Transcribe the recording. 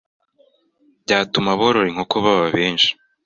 byatuma aborora inkoko baba benshi